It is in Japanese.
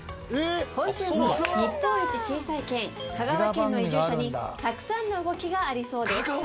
今週も日本一小さい県香川県の移住者にたくさんの動きがありそうです。